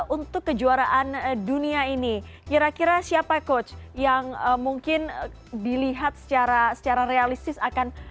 untuk kejuaraan dunia ini kira kira siapa coach yang mungkin dilihat secara realistis akan